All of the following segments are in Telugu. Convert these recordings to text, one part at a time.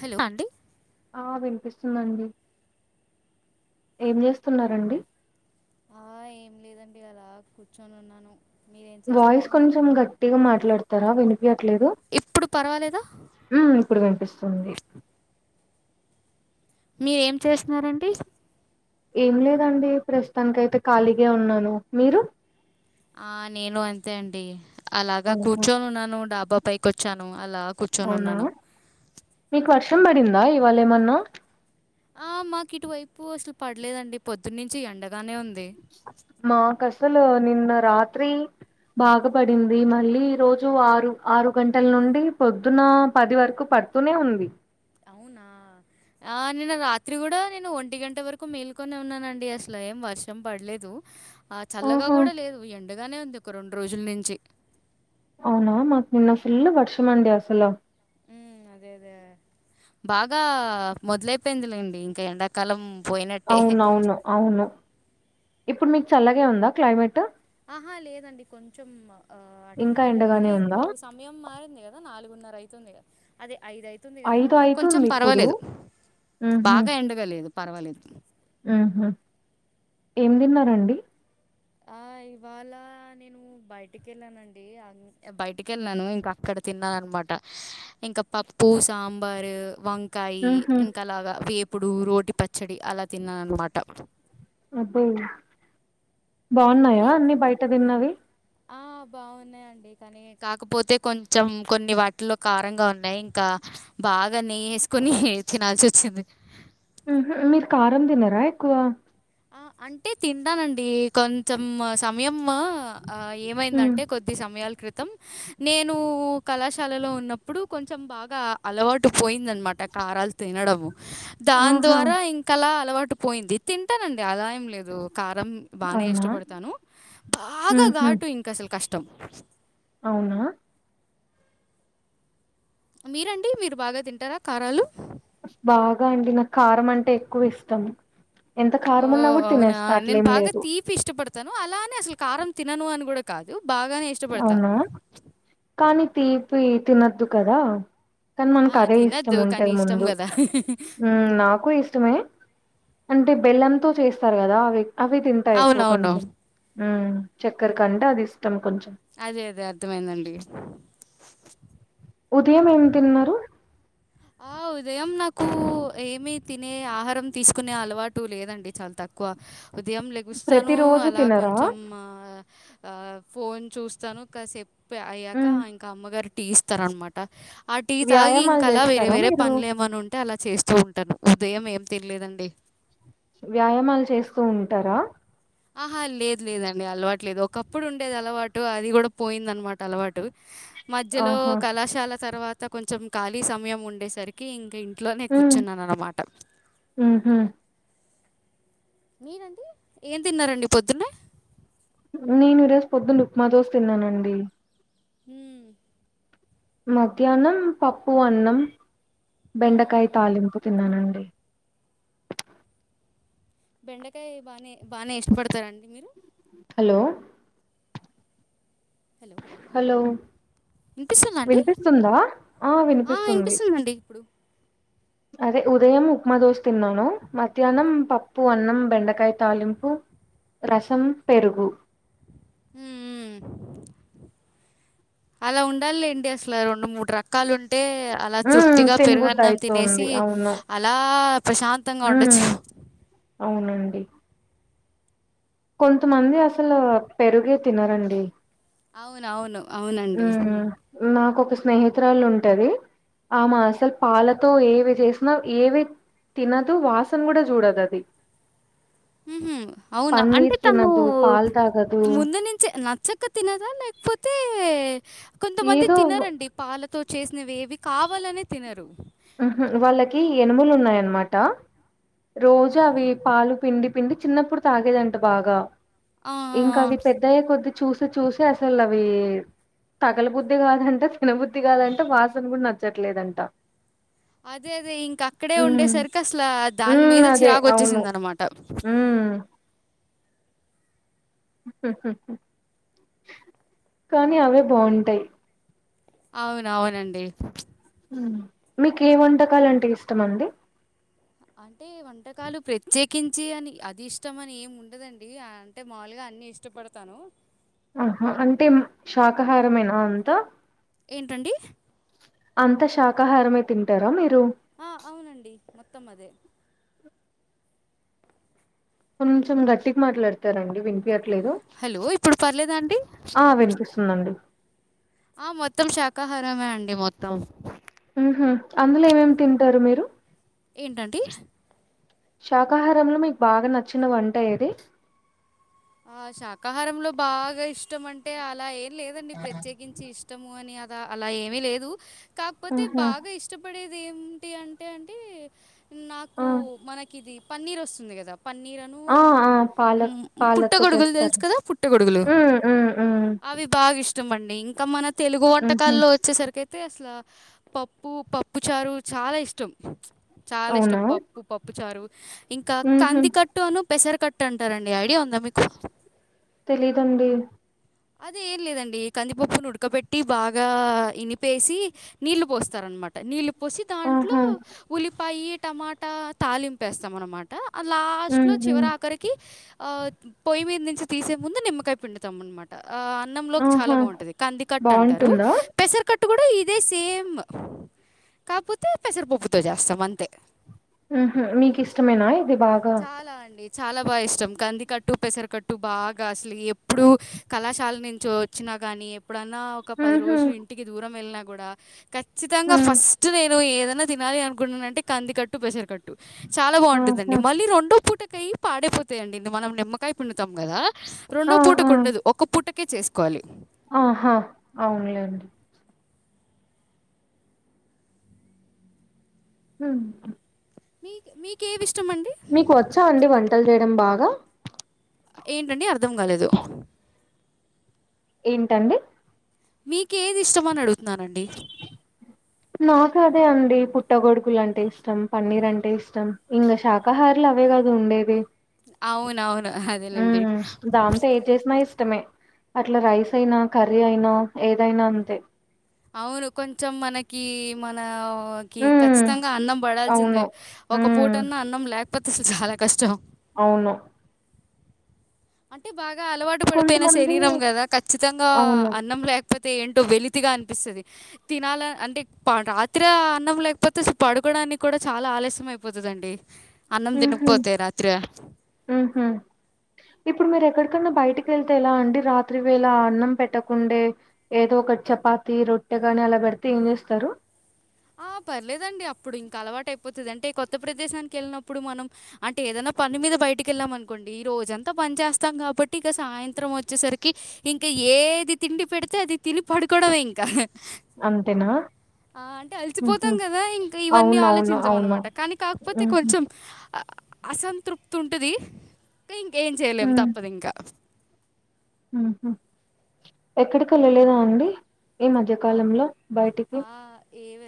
హలో ఆ వినిపిస్తుందండి ఏం జేస్తున్నా రండి ఆ ఏం లేదండి అలా కూర్చొని ఉన్నాను మీరేం వాయిస్ చేస్తున్నారండి కొంచెం గట్టిగా మాట్లాడతారా వినిపీయట్లేదు ఇప్పుడు పర్వాలేదా ఉమ్ ఇప్పుడు వినిపిస్తుంది మీరేం చేస్తున్నారండి ఏం లేదండి ప్రస్తుతానికైతే ఖాళీగా ఉన్నాను మీరు ఆ నేను అంతే అండి అలాగా ఓహో కూర్చొనున్నాను డాబా పైకొచ్చాను అవునా మీకు వర్షం పడిందా ఇవాళేమన్నా ఆ మాకు ఇటువైపు అసలు పడలేదండి పొద్దు నుంచి ఎండగానే ఉంది మా కసలు నిన్న రాత్రి బాగాపడింది మళ్ళీ ఈ రోజు ఆరు ఆరు గంటల్ నుండి పొద్దున పది వరకు పడుతూనే ఉంది అవునా ఆ నిన్న రాత్రి కూడా నేను ఒంటి గంట వరకు మేల్కొనే ఉన్నానండి అసలు ఏం వర్షం పడలేదు ఆ చల్లగా ఆహా కూడా లేదు ఎండగానే ఉంది ఒక రెండు రోజుల నుంచి అవునా మాకు నిన్న ఫుల్ వర్షమండి అసలు ఉమ్ అదే అదే బాగా మొదలైపోయింది లేండి ఇంక ఎండాకాలం పోయినట్టే. అవున అవును అవును ఇప్పుడు మీకు చల్లగే ఉందా క్లైమేట్ ఆహా లేదండి కొంచెం అటు ఇంకా ఇటుగానే ఉంది ఎండగానే ఉందా ఇప్పుడు సమయం మారింది గదా నాలుగున్నరైతుంది గదా అదే ఐదయితుంది కదా ఐదు కొంచెం అయితుంది ఇప్పుడు పర్వాలేదు బాగా ఎండగాలేదు పర్వాలేదు ఉమ్ హూ ఏం తిన్నారండి ఆ ఇవాళ నేను బయటికెళ్ళానండి బయటికెళ్ళాను ఇంక అక్కడ తిన్నాఅన్నమాట ఇంకా పప్పు సాంబారు వం కాయి ఊహూ ఇంకాలాగా వేపుడు రోటి పచ్చడి అలా తిన్నానన్నమాట అబ్బో బావున్నాయా మీరేం అన్ని తిన్నారు బయట తిన్నవి ఆ బావున్నాయంండి కానీ కాకపోతే కొంచెం కొన్ని వాటిల్లో కారంగా ఉన్నాయి ఇంకా బాగా నెయ్యి ఏసుకొని తినాల్సి వచ్చింది ఉమ్ హు మీరు కారం తినరా ఎక్కువ ఆ అంటే తింటానండి కొం చమ్ సమయం ఆ హ్మ్ ఏమైందంటే కొద్ది సమయాల క్రితం నేను కళాశాలలో ఉన్నప్పుడు కొంచెం బాగా అలవాటు పోయిందన్నమాట కారాలు తినడము దాన్ ఆహా! ద్వార ఇంకాలా అలవాటు పోయింది తింటానండి అలా ఏం లేదు కారం బానే అవునా? ఇష్టపడతాను బాగా ఊహూ. ఘాటు ఇంక అసలు కష్టం అవునా మీరండి మీరు బాగా తింటారా కారాలు బాగా అండి నాకు కారం అంటే ఎక్కువ ఇష్టం ఎంత ఓ కారమున్నా కూడతినేస్త అట్లేం లేదు తను అలానే అసలు కారం తినను అని కూడా కాదు బాగానే ఇష్టపడతా అవునా కానీ తీపి తినద్దు కదా కానీ ఆ, మనకు అదే ఇష్టం తినద్దు కానీ ఉంటది ఇష్టం ముందు కదా ఉమ్ నాకు ఇష్టమే అంటే బెల్లంతో చేస్తారు కదా అవి అవి తింటాయి ఎక్కువ అవునవును కొంచెం మ్ చక్కెర కంటే అది ఇష్టం కొంచెం అదే అదే అర్థమైందండి ఉదయం ఏం తిన్నారు ఆ ఉదయం నాకు ఏమిీ తినే ఆహారం తీసుకునే అలవాటు లేదండి చాలా తక్కు కువ ఉదయం ప్రతి లెగుస్తాను రోజు అలా తినరా కొంచెం ఆ ఫోన్ చూస్తాను కాసేపు అయ్యాక హ్మ్ ఇంక అమ్మగారు టీ ఇస్తార అనమాట ఆ టీ తాగి వ్యాయామాలు ఇంక అలా చేస్తారా వేరే మీరు పనులేఏమనన్న ఉంటే అలా చేస్తూ ఉంటాను ఉదయం ఏం తినలేదండి వ్యాయామాలు చేస్తూ ఉంటారా ఆహా లేదు లేదండి అలవాటు లేదు ఒకప్పుడు ఉండేది అలవాటు అది కూడా పోయింద అన్నమాట అలవాటు మధ్యలో ఆహా కళాశాల తర్వాత కొంచెం ఖాళీ సమయం ఉండేసరికి ఇంకా ఇ ఇట్లో నీ హ్మ్ కూర్చున్నాను అన్నమాట ఊహూ మీనండి ఏం తిన్నారండి పొద్దున్నే నేను రోజు పొద్దున్న ఉప్మాదోస తిన్నానండి హమ్ మధ్యాహనం పప్పు అన్నం మ్మ్ మ్మ్ బెండకాయ మ్మ్ తాలింపు తిన్నానండి బెండకాయ బాగానే బాగానే ఇష్టపడతారండి మీరు హలో హలో వినిపిస్తుందా అండి వినిపిస్తుందా ఆ వినిపిస్తుంది వినిపిస్తుందండి ఇప్పుడు అదే ఉదయం ఉప్మా దోశ తిన్నాను మధ్యాహ్నం పప్పు అన్నం బెండకాయ తాలింపు రసం పెరుగు ఉ అలా ఉండాలి ఏంటి అసలు రెండు మూడు రకాలుంట అంటే అలా ఉమ్ తృప్తిగా తినబుద్ధి పెరుగన్నం తినేసి అయితుంది అవును అలా ప్రశాంతంగా ఉమ్ ఉండొచ్చు అవునండి కొంతమంది అసలు పెరుగే తినరండి అవునవును ఉ అవునండి నాకుొక స్నేహితురాళు ఉంటది ఆమా అసలు పాలతో ఏవి చేసిన ఏవి తినదు వాసను కూడా చూడదు అది ఉ అవునా అంటే పన్నీర్ తను తినదు పాలు తాగదు ముందు నుంచే నచ్చక తినదా లేకపోతే కొంతమంది ఏదో తినరండి పాలతో చేసినవి ఏవి కావాలనే తినరు వాళ్ళకి ఎనుములు ఉన్నాయన్నమాట రోజు ఆహా! అవి పాలు పిండి పిండి చిన్నప్పుడు తాగేదంట బాగా ఆ! ఆ! ఇంకా ఆ! అవి పెద్దయ్య కొద్ది చూస చూసి అసలు అవి సగల బుద్ధి కాదంటే తినబుద్ధి కాదంటే వాసన కూడా నచ్చట్లేదంట అదే అదే ఇంక అక్కడే ఉండే ఉమ్ సరికి అసలు దాని ఉమ్ మీద అదే చిరాగ అవును వచ్చేసింది అనమాట ఉమ్ కానీ అవే బాగుంటాయి అవున అవునండి మీకు ఏ వంటకాలు అంటే ఇష్టమ అండి అంటే వంటకాలు ప్రత్యేకించి అని అది ఇష్టం అని ఏమి ఉండదండి అంటే మాములుగా అన్నిీ ఇష్టపడతాను ఆహా అంటే శాకాహారమేనా అంతా ఏంటండి అంత శాకాహారమే తింటారా మీరు ఆ అవునండి మొత్తం అదే కొంచెం గట్టికి మాట్లాడతారండి వింట ట్లేదు హలో! ఇప్పుడు పర్లేదా అండి? ఆ వినిపిస్తుందండి ఆ మొత్తం శాకాహారమే అండి మొత్తం ఉహ అందులో ఏమేమి తింటారు మీరు ఏంటండి శాకాహారంలో మీకు బాగా నచ్చిన వంట ఏది ఆ శాకాహారంలో బాగా ఇష్టం అంటే అలా లేదండి ప్రత్యేకించి ఇష్టము అని అద అలా ఏమి లేదు కాకపోతే ఆహా! బాగా ఇష్టపడేది ఏంటి అంటే అంటే నాకు ఆ! మనకి ఇది పన్నీర్ వస్తుంది కదా పన్నీర్ను ఆ! ఆ! పాలక్ పుట్ పుట్ట పాలతో గొడుగులు తెలుసు చేస్తారు. కదా పుట్ట గొడుగులు హ్మ్. హ్మ్. హ్మ్. అవి బాగా ఇష్టం అండి ఇంకా మన తెలుగు హుహు. వంటకాల్లో వచ్చేసరికితే అంటే అసల పప్పు పప్పు చారు చాలా ఇష్టం చాలా ఇష్టం అవునా? పప్పు పప్పు చారు ఇంకా హుహు. కందికట్టు అను పెసర్ కట్ అంటారండి ఐడియా ఉందా మీకు తెలీదన్‌డి అదే ఏం లేదండి కందిపప్పును ఉడకపెట్టి బాగా ఇనిపేసి నీళ్లు పోస్తారు మాట నీళ్లు పోసి దాంట్లో ఆహా! ఉల్లిపాయి టమాటా తాలింపేస్తాం అనమాట హ్మ్. లాస్ట్లో హ్మ్. చివరి ఆఖరికి ఆ పొయ్యి మీద నుంచి తీసే ముందు నిమ్మకాయ పిండుతాం అనమాట ఆ అన్నం లోకి చాలా ఆహా! బాగుంటది కందికట్ అంటారు బావుంటుందా? పెసర్ కట్ ఇట్ కూడా ఇదే సేమ్ కాకపోతే పెసరపప్పుతో చేస్తాం అంతే ఉహు మీకు ఇష్టమేనా ఇది బాగా చాలా అండి చాలా బా ఇష్టం కందికట్టు, పెసరకట్టు బాగా అసలు ఎప్పుడు కళాశాల నుంచి వచ్చినా గానీ ఎప్పుడన్నా ఒక పది హుహు. రోజులు ఇంటికి దూరం వెళ్ళినా కూడా ఖచ్చితంగా హ్మ్. ఫస్ట్ నేను ఏదైన్నా తినాలి అనుకుంటున్నానంటే కందికట్టు పెసర్కట్టు చాలా ఆహా! బాగుంటుందండి మళ్ళీ రెండో పుట్ పూటకాయ పాడైపోతాయిండి ఇ మనం నిమ్మకాయ పిడుతాం కదా ఆ! రెండో ఆ! పూటకు ఉండదు ఒక ఒక పుటకే చేసుకోవాలి ఆహా అవునులేండి ఉ మీ మీక్ మీకు వచ్చా అండి వంటలు చేయడం బాగా ఏంటండి అర్థం కాలేదు ఏంటండి మీకేది ఇష్టమని అడుగుతున్నానండి నాకు అదే అండి పుట్టగొడుకులు అంటే ఇష్టం పన్నీర్ అంటే ఇష్టం ఇంకా శాకాహారులు అవేగా కదు ఉండేది అవునవును అదేలేండి ఉ దాంతో ఏ చేసినాయి ఇష్టమే అట్లా రైస్ అయినా కర్రీ అయినా ఏదైనా అంతే అవును కొంచెం మనకి మన ఓ మ్మ్ ఖచ్చితంగా అన్నం అవును పడాల్సిందే ఒక పూట మ్మ్ అన్న అన్నం లేకపోతే అసలు చాలా కష్టం అవును అంటే బాగా అలవాటు పడిపోయిన కొంతమంది శరీరం కదా ఖచ్చితంగా అవును అన్నం లేక పోతే ఏంటో వెలితిగా అనిపిస్తుంది తినాల అంటే రాత్ర అన్నం లేకపోతే పడు కోడానికి కూడా చాలా ఆలస్యం అయిపోతుందండి అన్నం మ్హూ తినకపోతే రాత్రి మ్హూ ఇప్పుడు మీరు ఎక్కడికన్నా బయటకి వెళ్తే ఎలా అండి రాత్రి వేళ అన్నం పెట్టకుండే ఏదో ఒకటి చెప్ చపాతి, రొట్టె కాని అలా పెడితే ఏం చేస్తారు ఆ పర్లేదండి అప్పుడు ఇంకా అలవాటు అయిపోతుంది అంటే కొత్త ప్రదేశానికి వెళ్ళినప్పుడు మనం అంటే ఏదన్నా పని మీద బయటకెళ్ళాం అనుకోండి ఈ రోజంత పని చేస్తాం కాబట్టి ఇక సాయంత్రం వచ్చేసరికి ఇంక ఏది తిండి పెడితే అది తిని పడుకోవడమే ఇంకా అంతేనా మ్హూ కలిసిపోతాం కదా ఇంకా ఇవన్నీ అవునవును ఆలోచించాం అవును అనమాట కానీ కాకపోతే మ్హూ కొంచెం అసంతృప్తి ఉంటది ఇంకేం చేయలేము తప్పదు ఇంకా ఎక్కడికి వెళ్ళలేదా అండి ఈ మధ్య కాలంలో బయటికి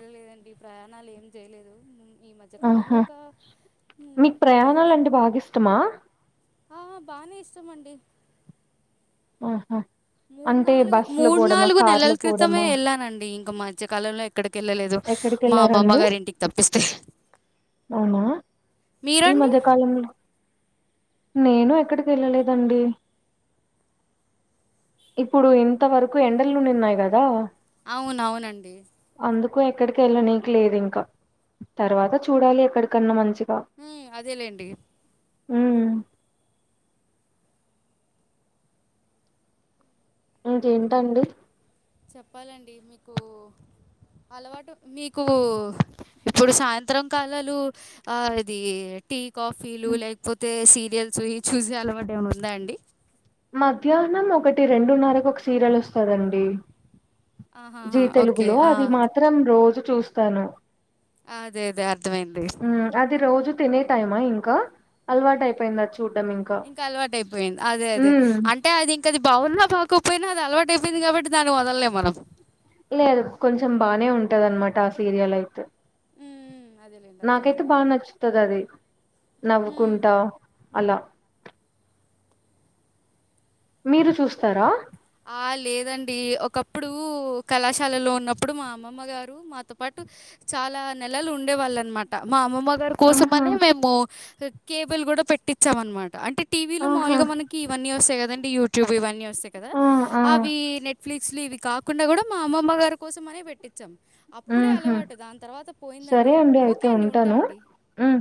లేదండి ప్రయాణాలు ఏం చేయలేదు ఈ మధ్య కాలంలో ఆహా ఒక హ్మ్. మీకు ప్రయాణాలంటే బాగా ఇష్టమా ఆ బానే ఇష్టం అండి ఉహు మూడు నాలుగు మూడు నాలుగు నెలల కార్‌లో క్రితమే పోవడమా? వెళ్ళానండి ఇంకా మధ్యకాలంలో ఎక్కడికి వెళ్ళలేదు మా అమ్మమ్మ ఎక్కడికెళ్లారండి? గారి ఇంటికి తప్పిస్తే అవునా! ఈ మీరండి? మధ్య కాలంలో నేను ఎక్కడికి వెళ్ళలేదండి ఇప్పుడు ఇంత వరకు ఎండలు ఉండిన్నాయి కదా అవును అవునండి ఎ ఎక్కడికి వెళ్ళనికి లేదు ఇంకా తర్వాత చూడాలి ఎక్కడికన్నా మంచి ఉ అదే లేండి ఉ ఇంకేంటండి చెప్పాలండి మీకు అలవాటు మీకు ఇప్పుడు సాయంత్రం కాలాలు ఆ ఇది టీ కాఫీలు హ్మ్. లేకపోతే సీరియల్స్ ఇవి చూసే అలవాటు ఏమన్న ఉందా అండి మధ్యాహ్నం ఒకటి రెండున్నరకు ఒక సీరియల్ వస్తదండి జీ ఆహాహా! ఓకే. తెలుగులో ఆ! అది మాత్రం రోజు చూస్తాను అదే అదే అర్థమైంది మ్మ్ అది రోజు తినే టైమా ఇంకా అలవాటు అయిపోయిందచ్చు ఇంకా అలవాట అయిపోయింది అదే అదే మ్మ్ అట్టే అది ఇంక అది బాగున్నా బాకపోయినా అది అలవాట అయిపోయింది కాబట్టి దాన్ని వదలలేం మనం లేదు కొంచెం బానే ఉ టది అనమాట ఆ సీరియల్ అయితే ఉమ్, అదేలేండి నాకైతే అర్థమైంది బాగా నచ్చుతది అది ఉమ్. నవ్వుకుంటా అలా మీరు చూస్తారా ఆ లేదండి ఒకప్పుడు కళాశాలలో ఉన్నప్పుడు మా అమ్మమ్మ గారు మాతో పాటు చాలా నెలలు ఉండే వాళ్ళు అనమాట మా అమ్మమ్మ గారి ఆహా కోసమనే మేము కేబుల్ కూడా పెట్టించాం అనమాట అంటే టీవీ లో ఆహా మాములుగా మనకి ఇవన్నీ వస్తాయి కదండి యూట్యూబ్ ఇవన్నీ వస్తాయి కదా ఆ ఆ అవి నెట్ఫ్లిక్స్ లు ఇవి కాకుండా కూడా మా అమ్మమ్మ గారి కోసం అనే పెట్టించాం అప్పుడే మ్మ్హ్ అలవాటు దాని తర్వాత పోయిందండి సరే అండి అలవాటు అయితే ఓకే అండి ఉంటా ఉంటాను అండి మ్మ్